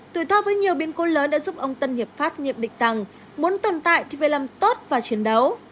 tuổi thơ với nhiều biến cố lớn đã giúp ông tân hiệp pháp nhiệm định rằng muốn tồn tại thì phải làm tốt và chiến đấu